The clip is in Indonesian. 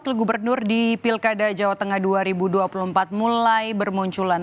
wakil gubernur di pilkada jawa tengah dua ribu dua puluh empat mulai bermunculan